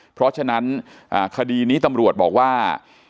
เพราะฉะนั้นคดีนี้ตำรวจบอกว่า